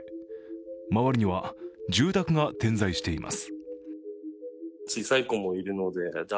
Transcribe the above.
周りには住宅が点在しています。